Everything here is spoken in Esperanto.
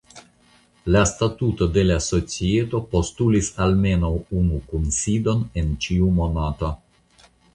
La statuto de la societo postulis almenaŭ unu kunsidon en ĉiu monato.